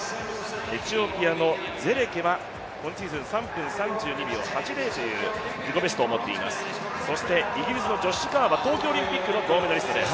エチオピアのゼレケは自己ベストを持っています、イギリスのジョッシュ・カーは東京オリンピックの銅メダリストです。